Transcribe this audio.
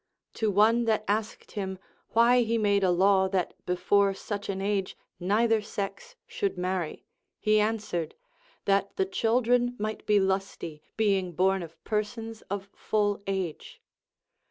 To one that asked him why he made a law that before such an age neither sex should marry, he an swered, that the children might be lusty, being born of persons of full age.